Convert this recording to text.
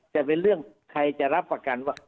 จะเป็นเรื่องใครจะรับประกันว่า